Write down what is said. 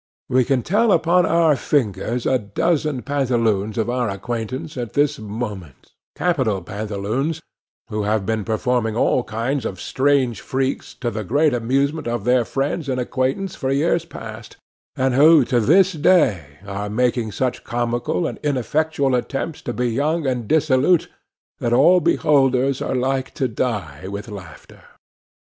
We can tell upon our fingers a dozen pantaloons of our acquaintance at this moment—capital pantaloons, who have been performing all kinds of strange freaks, to the great amusement of their friends and acquaintance, for years past; and who to this day are making such comical and ineffectual attempts to be young and dissolute, that all beholders are like to die with laughter.